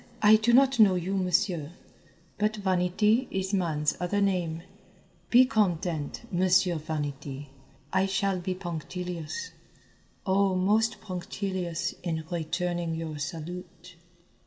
I do not know you, Monsieur, but vanity is man's other name; be content, Monsieur Vanity, I shall be punctilious oh, most punctilious in returning your salute."